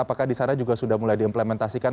apakah di sana juga sudah mulai diimplementasikan